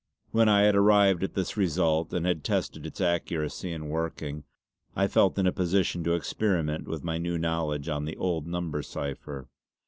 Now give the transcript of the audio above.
When I had arrived at this result, and had tested its accuracy in working, I felt in a position to experiment with my new knowledge on the old number cipher.